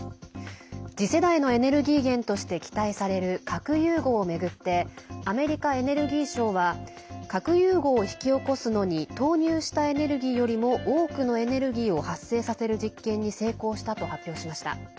次世代のエネルギー源として期待される核融合を巡ってアメリカエネルギー省は核融合を引き起こすのに投入したエネルギーよりも多くのエネルギーを発生させる実験に成功したと発表しました。